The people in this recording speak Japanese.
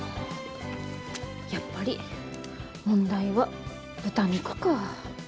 やっぱり問題は豚肉か。